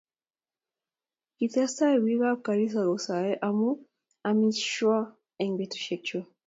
Kitestai biik ab kanisa kosae ama amishiw eng betusiek